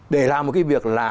để làm một cái việc là